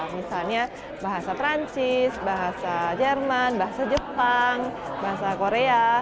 misalnya bahasa perancis bahasa jerman bahasa jepang bahasa korea